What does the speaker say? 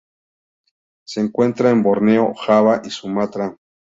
Se encuentra en Borneo, Java y Sumatra.